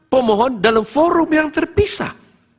pemohon dalam forum yang terpisah